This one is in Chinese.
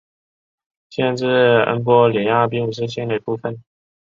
县治恩波里亚并不是县的一部分。